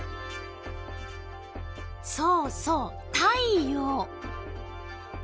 そうそう太陽。